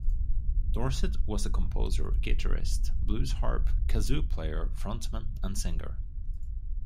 Dorset was the composer, guitarist, blues harp, kazoo player, frontman and singer.